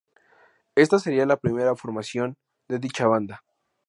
Esta sería la primera formación de dicha banda.